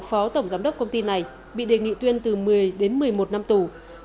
phó tổng giám đốc công ty này bị đề nghị tuyên từ một mươi đến một mươi một năm tù